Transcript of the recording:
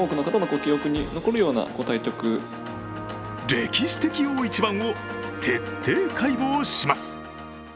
歴史的大一番を徹底解剖します。